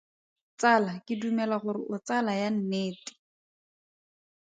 Tsala ke dumela gore o tsala ya nnete.